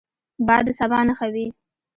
باد د سبا نښه وي